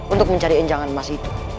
untuk mencari enjangan emas itu